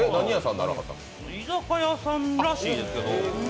居酒屋さんらしいですけど。